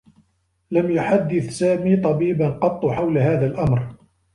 لم يحدّث سامي طبيبا قطّ حول هذا الأمر.